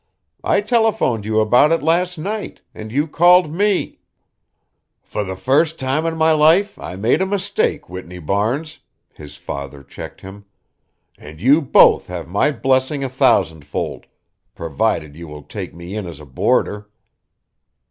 "I telephoned you about it last night, and you called me" "For the first time in my life I made a mistake, Whitney Barnes," his father checked him, "and you both have my blessing a thousandfold provided you will take me in as a boarder."